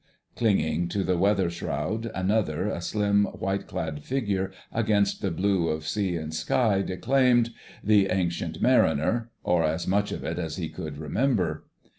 Clinging to the weather shroud, another, a slim, white clad figure against the blue of sea and sky, declaimed "The Ancient Mariner"—or as much of it as he could remember.